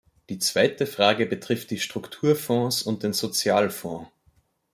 Die zweite Frage betrifft die Stukturfonds und den Sozialfonds.